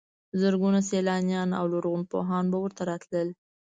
زرګونه سیلانیان او لرغونپوهان به ورته راتلل.